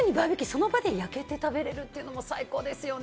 その場で焼けて食べられるというのも最高ですよね。